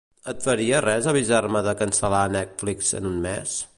Et faria res avisar-me de cancel·lar Netflix en un mes?